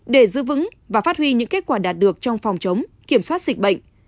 để giữ vững và phát huy những kết quả đạt được trong phòng chống kiểm soát dịch bệnh